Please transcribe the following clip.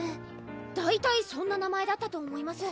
大体そんな名前だったと思います